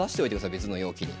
別の容器に。